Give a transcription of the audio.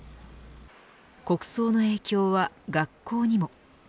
国葬の影響は学校にも。